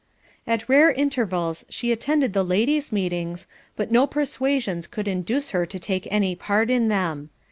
At rare intervals she attended the ladies' meetings, but no persuasions could induce her to take any part in them.